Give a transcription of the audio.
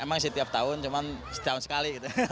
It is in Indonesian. emang setiap tahun cuma setahun sekali